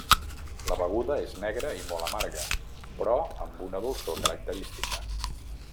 La beguda és negra i molt amarga però amb una dolçor característica.